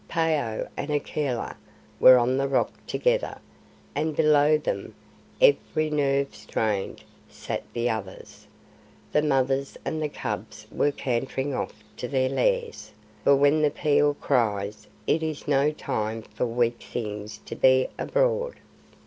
Phao and Akela were on the Rock together, and below them, every nerve strained, sat the others. The mothers and the cubs were cantering off to their lairs; for when the pheeal cries it is no time for weak things to be abroad.